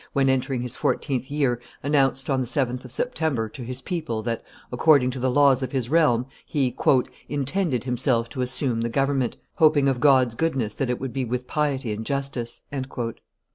when entering his fourteenth year, announced, on the 7th of September, to his people that, according the laws of his realm, he "intended himself to assume the government, hoping of God's goodness that it would be with piety and justice."